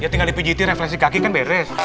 ya tinggal dipijitin refleksi kaki kan bedes